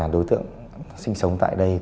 đối tượng sinh sống tại đây